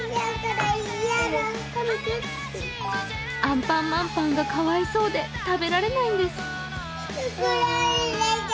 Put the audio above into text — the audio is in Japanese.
アンパンマンパンがかわいそうで食べられないんです。